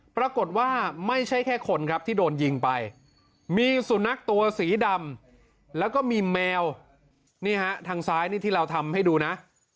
ปรากฏว่าไม่ใช่แค่คนครับที่โดนยิงไปมีสุนัขตัวสีดำแล้วก็มีแมวนี่ฮะทางซ้ายนี่ที่เราทำให้ดูนะ